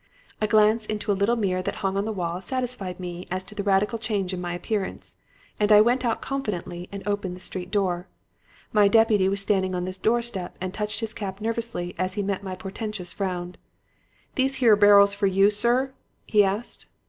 A glance into a little mirror that hung on the wall satisfied me as to the radical change in my appearance and I went out confidently and opened the street door. My deputy was standing on the door step and touched his cap nervously as he met my portentous frown. "'These here barrils for you, sir?' he asked.